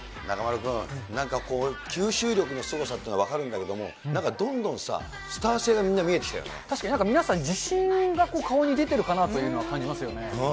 中丸君、なんかこう、吸収力のすごさって分かるんだけども、どんどんスター性がみんな見えて確かに、なんか皆さん、自信が顔に出てるかなというのは感じますよね。